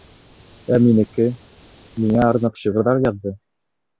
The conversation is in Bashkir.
Ә минеке... миңә арнап шиғырҙар яҙҙы!